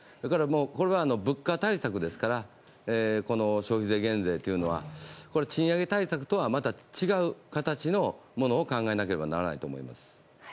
これは物価対策ですから消費税減税というのは賃上げ対策とはまた違う形のものを考えなければならないと思います。